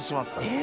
え！